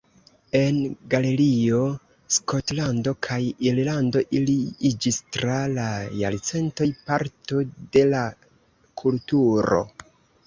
En Galegio, Skotlando kaj Irlando ili iĝis tra la jarcentoj parto de la kulturo.